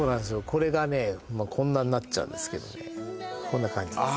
これがねこんなんなっちゃうんですけどねこんな感じです